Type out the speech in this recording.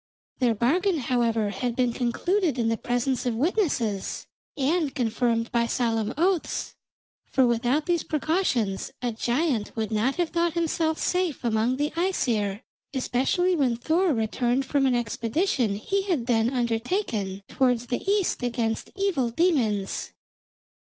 Their bargain, however, had been concluded in the presence of witnesses, and confirmed by solemn oaths, for without these precautions a giant would not have thought himself safe among the Æsir, especially when Thor returned from an expedition he had then undertaken towards the east against evil demons.